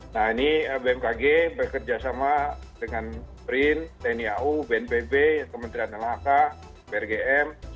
nah ini bmkg bekerjasama dengan brin tni au bnpb kementerian lhk brgm